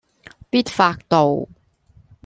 必發道